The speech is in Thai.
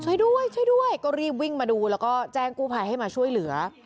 ช่วยด้วยช่วยด้วยก็รีบวิ่งมาดูแล้วก็แจ้งกู้ภัยให้มาช่วยเหลือ